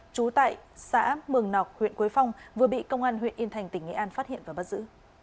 trú tại xã mường nọc huyện quế phong vừa bị công an huyện yên thành tỉnh nghệ an phát hiện và bắt giữ